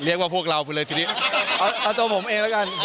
เรียกว่าพวกเราเอาตัวผมเองละกัน